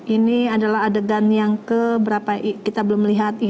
ini adalah adegan yang keberapa kita belum lihat inafis memberikan tanda dari adegan ini